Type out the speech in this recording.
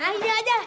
nah ide aja